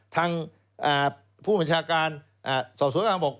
ทางผู้บัญชาการสอบสวนกลางบอก